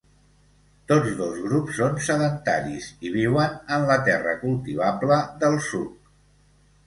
Tots dos grups són sedentaris i viuen en la terra cultivable del suc.